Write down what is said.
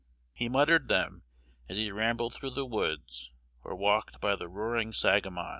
He muttered them as he rambled through the woods, or walked by the roaring Sangamon.